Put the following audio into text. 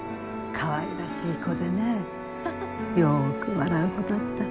かわいらしい子でねよく笑う子だった。